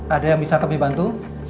ada yang bisa kami bantu